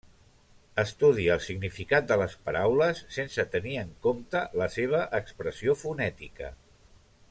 Estudia el significat de les paraules sense tenir en compte la seva expressió fonètica.